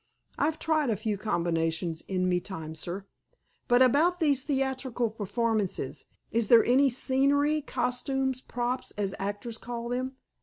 "I've tried a few combinations in me time, sir." "But, about these theatrical performances—is there any scenery, costumes, 'props' as actors call them?"